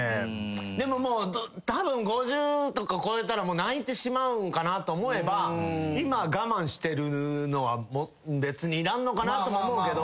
でももうたぶん５０とか超えたら泣いてしまうんかなと思えば今我慢してるのは別にいらんのかなとも思うけど。